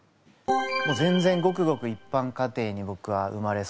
もう全然ごくごく一般家庭に僕は生まれ育ちまして。